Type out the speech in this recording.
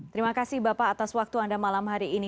terima kasih bapak atas waktu anda malam hari ini